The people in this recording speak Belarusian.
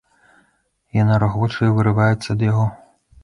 Яна рагоча і вырываецца ад яго.